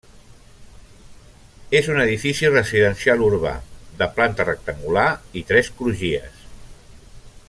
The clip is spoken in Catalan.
És un edifici residencial urbà, de planta rectangular i tres crugies.